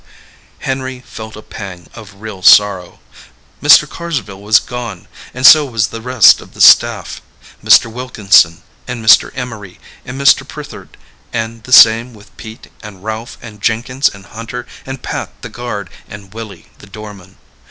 Henry felt a pang of real sorrow. Mr. Carsville was gone, and so was the rest of the staff Mr. Wilkinson and Mr. Emory and Mr. Prithard, and the same with Pete and Ralph and Jenkins and Hunter and Pat the guard and Willie the doorman.